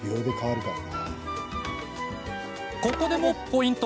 ここでもポイント！